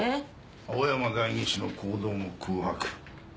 青山代議士の行動も空白。